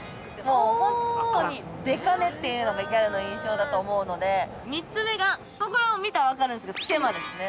ホントにでか目っていうのがギャルの印象だと思うので３つ目がこれも見たらわかるんですけどつけまですね